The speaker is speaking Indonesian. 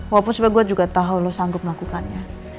walaupun sebenarnya gue juga tahu lo sanggup melakukannya